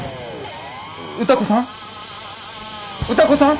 歌子さん？